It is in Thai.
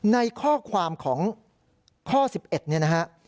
ในข้อความของข้อ๑๑เนี่ยนะฮะ